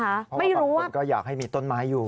เพราะว่าบางคนก็อยากให้มีต้นไม้อยู่